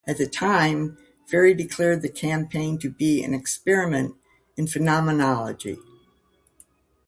At the time, Fairey declared the campaign to be "an experiment in phenomenology".